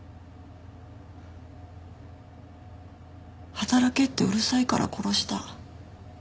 働けってうるさいから殺した。